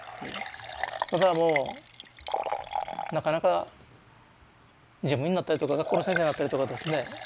だからもうなかなか事務員になったりとか学校の先生になったりとかですね